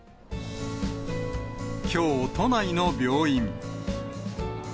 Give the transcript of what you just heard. きょう、都内の病院。